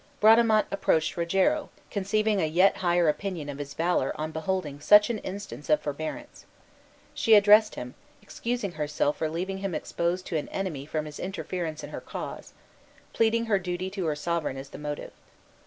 Bradamante approached Rogero, conceiving a yet higher opinion of his valor on beholding such an instance of forbearance. She addressed him, excusing herself for leaving him exposed to an enemy from his interference in her cause; pleading her duty to her sovereign as the motive.